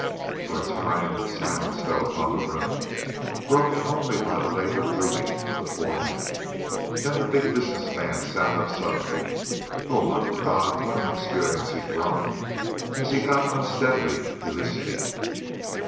For a time silence fell upon the room, broken only by the labored breathing of the four men. Then the Big Business Man sat up suddenly. "Oh, my God, what an experience!" he groaned, and got unsteadily to his feet.